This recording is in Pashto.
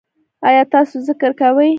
ایا تاسو ذکر کوئ؟